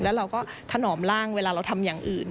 แล้วเราก็ถนอมร่างเวลาเราทำอย่างอื่น